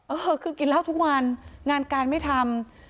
เออคือกินเหล้าทุกวันงานการไม่ทำ